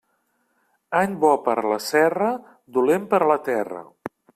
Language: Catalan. Any bo per a la serra, dolent per a la terra.